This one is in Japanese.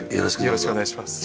よろしくお願いします。